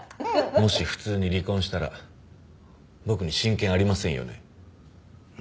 もし普通に離婚したら僕に親権ありませんよね？